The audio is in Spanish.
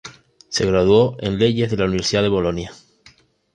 Se graduó en leyes de la Universidad de Bolonia.